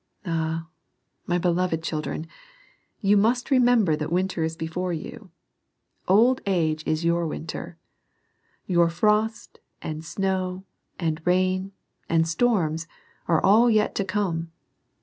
Ah, my beloved children, you must remember that winter is before you ! Old age is your winter. Your frost, and snow, and rain, and storms, are all yet to come.